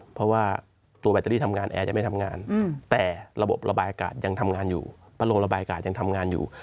ประโลมระบายอากาศยังทำงานอยู่